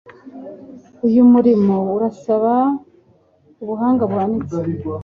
Uyu murimo urasaba ubuhanga buhanitse